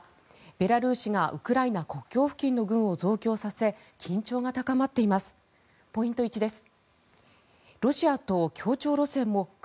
ベラルーシがウクライナ国境付近の軍を増強させ緊張が高まっています。